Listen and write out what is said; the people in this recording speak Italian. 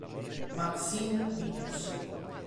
Maksim Vitus